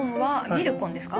ミルコンですか？